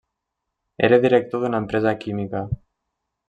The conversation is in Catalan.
Era director d'una empresa química.